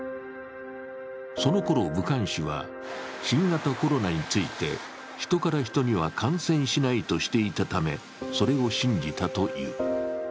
そのころ武漢市は、新型コロナについて、ヒトからヒトには感染しないと公表していたためそれを信じたという。